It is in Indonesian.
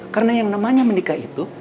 karena yang namanya menikah itu